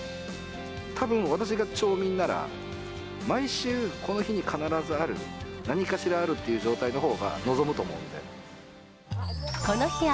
たぶん、私が町民なら、毎週、この日に必ずある、何かしらあるっていう状態のほうが望むと思うので。